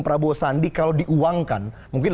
prabowo sandi kalau diuangkan mungkin